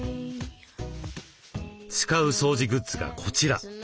使う掃除グッズがこちら。